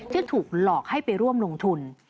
ที่ถูกหลอกให้ไปร่วมลงทุน